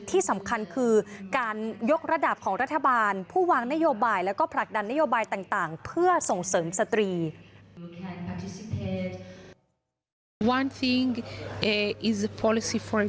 ที่สำคัญคือการยกระดับของรัฐบาลผู้วางนโยบายแล้วก็ผลักดันนโยบายต่างเพื่อส่งเสริมสตรี